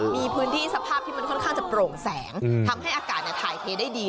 มีพื้นที่สภาพที่มันค่อนข้างจะโปร่งแสงทำให้อากาศถ่ายเทได้ดี